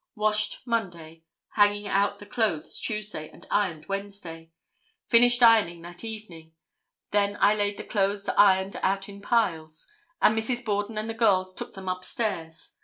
Washed Monday, hanging out the clothes Tuesday and ironed Wednesday. Finished ironing that evening. Then I laid the clothes ironed out in piles and Mrs. Borden and the girls took them up stairs.